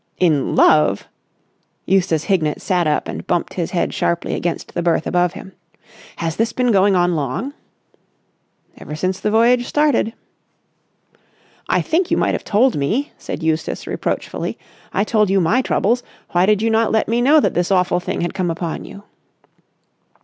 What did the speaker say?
"In love!" Eustace Hignett sat up and bumped his head sharply against the berth above him. "Has this been going on long?" "Ever since the voyage started." "I think you might have told me," said Eustace reproachfully. "I told you my troubles. Why did you not let me know that this awful thing had come upon you?"